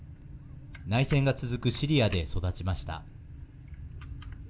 内戦が続くシリアで育ちました。